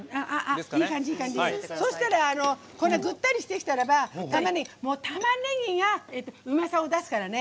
そしたら、ぐったりしてきたらたまねぎがうまさを出すからね。